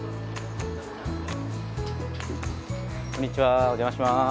こんにちはお邪魔します。